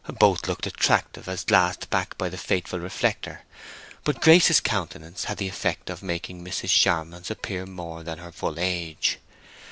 Both looked attractive as glassed back by the faithful reflector; but Grace's countenance had the effect of making Mrs. Charmond appear more than her full age.